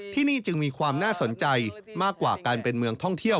ที่นี่จึงมีความน่าสนใจมากกว่าการเป็นเมืองท่องเที่ยว